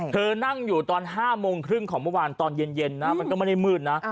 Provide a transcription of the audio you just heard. เธอนั่งอยู่ตอน๕โมงครึ่งของเมื่อวานตอนเย็นนะมันก็ไม่ได้มืดนะ